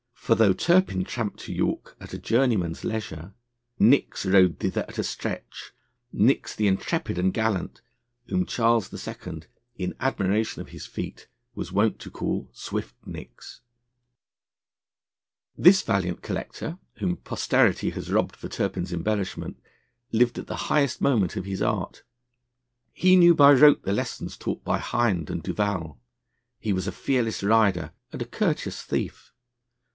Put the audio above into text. For though Turpin tramped to York at a journeyman's leisure, Nicks rode thither at a stretch Nicks the intrepid and gallant, whom Charles II., in admiration of his feat, was wont to call Swiftnicks. This valiant collector, whom posterity has robbed for Turpin's embellishment, lived at the highest moment of his art. He knew by rote the lessons taught by Hind and Duval; he was a fearless rider and a courteous thief.